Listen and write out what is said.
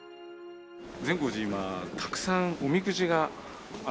善光寺今たくさんおみくじがあるんです。